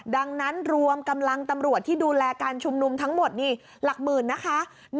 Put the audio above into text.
ดังนั้นรวมกำลังตำรวจที่ดูแลการชุมนุมทั้งหมดนี่หลักหมื่นนะคะ